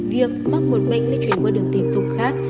việc mắc một bệnh lây truyền qua đường tình dục